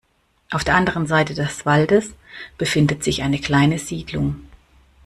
Auf der anderen Seite des Waldes befindet sich eine kleine Siedlung.